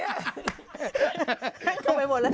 เขาไปหมดแล้วเนี่ย